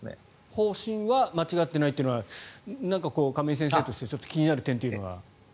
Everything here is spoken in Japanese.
方針は間違っていないというのは亀井先生として気になる点というのが？